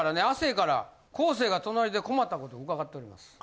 亜生から昴生が隣で困ったことを伺っております。